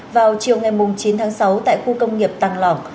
vào chiều ngày chín tháng sáu tại khu công nghiệp tăng lỏng